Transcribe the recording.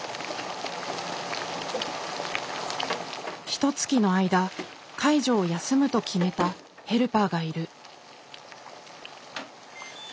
ひとつきの間介助を休むと決めたヘルパーがいる。